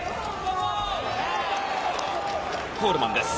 コールマンです。